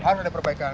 harus ada perbaikan